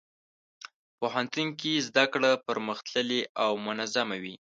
پوهنتون کې زدهکړه پرمختللې او منظمه وي.